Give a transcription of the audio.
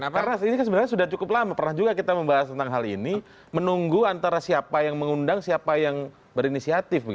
karena ini sebenarnya sudah cukup lama pernah juga kita membahas tentang hal ini menunggu antara siapa yang mengundang siapa yang berinisiatif